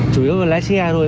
chủ yếu là lái xe thôi